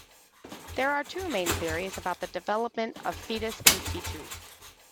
There are two main theories about the development of fetus in fetu.